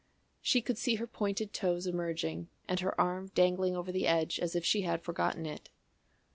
She could see her pointed toes emerging and her arm dangling over the edge as if she had forgotten it.